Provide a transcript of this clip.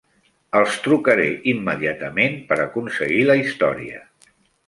Els trucaré immediatament per aconseguir la història.